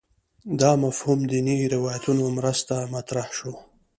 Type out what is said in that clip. دا مفهوم دیني روایتونو مرسته مطرح شو